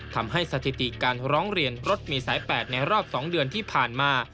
ทำให้สถิติการร้องเรียนรถมีสายแปดในรอบ๒เดือนที่ผ่านมา